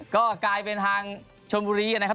ก็กลายเป็นทางชนบุรีนะครับ